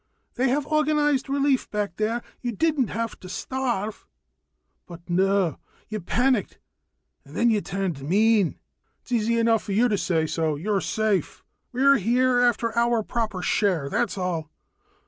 They have organized relief back there, you didn't have to starve. But no, you panicked and then you turned mean." "It's easy enough for yuh to say so. Yuh're safe. We're here after our proper share, that's all."